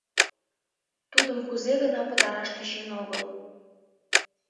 Тудым кузе гына пытараш тӧчен огыл.